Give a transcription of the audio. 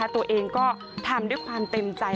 ตัวเองก็ทำด้วยความเต็มใจ